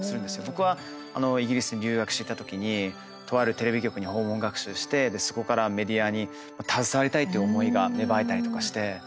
僕はイギリスに留学していたときにとあるテレビ局に訪問学習してそこからメディアに携わりたいっていう思いが芽生えたりとかして。